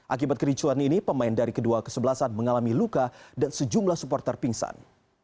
akibat kericuan ini pemain dari kedua kesebelasan mengalami luka dan sejumlah supporter pingsan